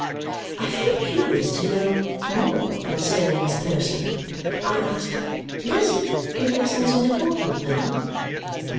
I felt curious to know more concerning this person. I asked, "Does he give lessons in deportment now?"